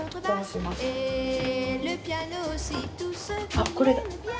あっこれだ！